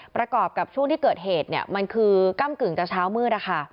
ประกอบกับช่วงที่เกิดเหตุมันคือก้ำกึ่งจะเช้ามืด